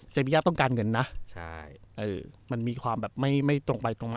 มิยาต้องการเงินนะใช่มันมีความแบบไม่ตรงไปตรงมา